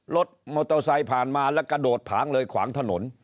รถมอเตอร์ไซค์ผ่านมาแล้วกระโดดผางเลยขวางถนน